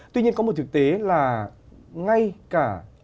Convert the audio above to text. tuy nhiên có một thực tế là ngay cả ở điều kiện này